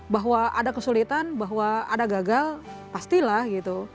bahwa ada kesulitan bahwa ada gagal pastilah gitu